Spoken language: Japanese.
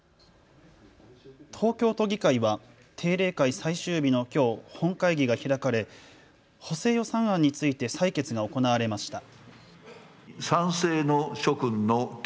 東京都議会は定例会最終日のきょう本会議が開かれ補正予算案について採決が行われました。